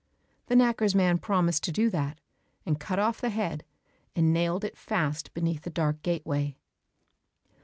The knacker's man promised to do that, and cut off the head, and nailed it fast beneath the dark gateway.